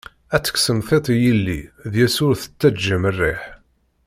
Ad tekksem tiṭ i yelli, deg-s ur d-tettaǧǧam rriḥ.